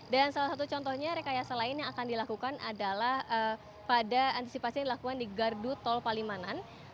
dan salah satu contohnya rekayasa lain yang akan dilakukan adalah pada antisipasi yang dilakukan di gardu tol palimanan